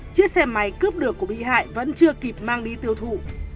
chiếc xe máy cướp được của bị hại vẫn chưa kịp mang đi tiêu thụ